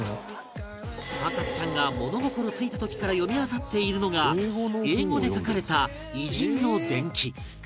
博士ちゃんが物心ついた時から読みあさっているのが英語で書かれた偉人の伝記